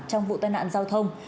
trong vụ tai nạn giao thông